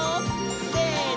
せの！